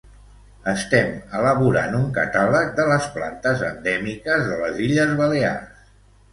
Estem elaborant un catàleg de les plantes endèmiques de les Illes balears.